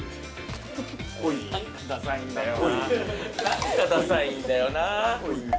ほいほい何かダサいんだよな